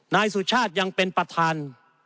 นายสุชาติยังเป็นประธาน